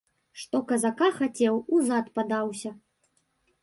Што казака хацеў, узад падаўся.